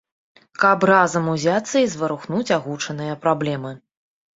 Каб разам узяцца і зварухнуць агучаныя праблемы.